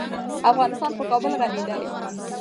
افغانستان په کابل غني دی.